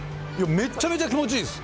めっちゃめちゃ気持ちいいです。